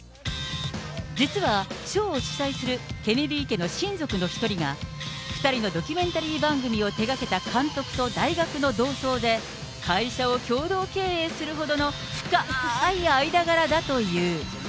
実は賞を主催するケネディ家の親族の一人が、２人のドキュメンタリー番組を手がけた監督と大学の同窓で、会社を共同経営するほどの深ーい間柄だという。